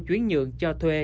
chuyến nhượng cho thuê